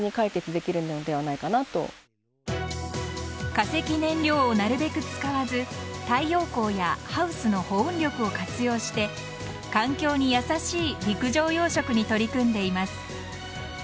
化石燃料をなるべく使わず太陽光やハウスの保温力を活用して環境に優しい陸上養殖に取り組んでいます。